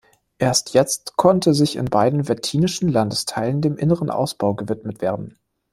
Erst jetzt konnte sich in beiden wettinischen Landesteilen dem inneren Ausbau gewidmet werden.